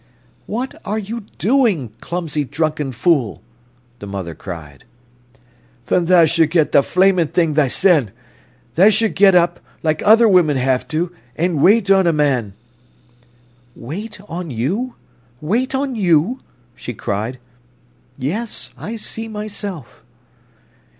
"What are you doing, clumsy, drunken fool?" the mother cried. "Then tha should get the flamin' thing thysen. Tha should get up, like other women have to, an' wait on a man." "Wait on you—wait on you?" she cried. "Yes, I see myself."